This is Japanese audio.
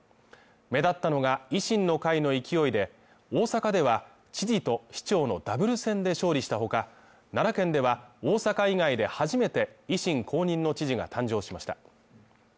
目立ったのが維新の会の勢いで、大阪では、知事と市長のダブル選で勝利した他、奈良県では、大阪以外で初めて、維新公認の知事が誕生しました。